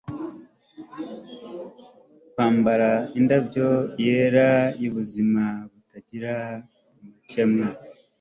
Kwambara indabyo yera yubuzima butagira amakemwa